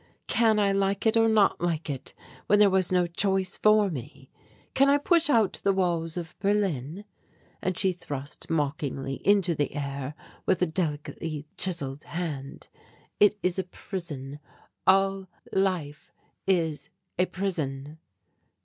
Can I like it or not like it, when there was no choice for me? Can I push out the walls of Berlin?" and she thrust mockingly into the air with a delicately chiselled hand "It is a prison. All life is a prison."